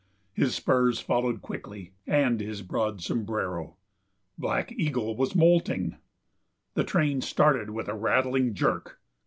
His spurs followed quickly, and his broad sombrero. Black Eagle was moulting. The train started with a rattling jerk.